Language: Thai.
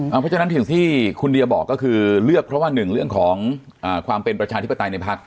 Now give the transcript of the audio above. เพราะฉะนั้นสิ่งที่คุณเดียบอกก็คือเลือกเพราะว่าหนึ่งเรื่องของความเป็นประชาธิปไตยในพัก